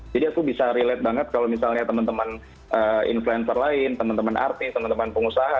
aku bisa relate banget kalau misalnya teman teman influencer lain teman teman artis teman teman pengusaha